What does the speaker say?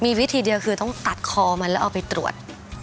มีวิธีเดียวคือต้องตัดคอมันแล้วเอาไปตรวจ